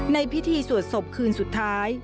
ในพิธีสวดศพคืนสุดท้าย